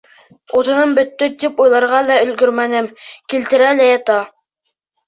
Утыным бөттө тип уйларға ла өлгөрмәнем, килтерә лә ята.